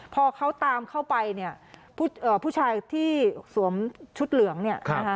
พอเขาตามเข้าไปเนี่ยผู้ชายที่สวมชุดเหลืองเนี่ยนะคะ